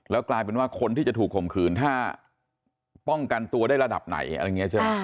แล้วกลายเป็นว่าคนที่จะถูกคมขืนถ้าป้องกันตัวได้ระดับไหน